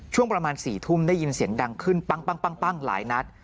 ช่วงประมาณ๔ทุ่มได้ยินเสียงดังขึ้นปั้งหลายนัด